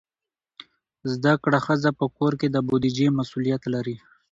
زده کړه ښځه په کور کې د بودیجې مسئولیت لري.